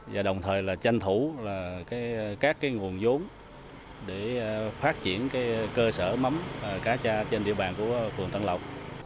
và đồng thời là tranh thủ các cái nguồn vốn để phát triển cái cơ sở mắm cá cha trên địa bàn của quận tân lộc